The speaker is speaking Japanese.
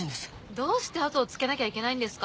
どうしてあとをつけなきゃいけないんですか。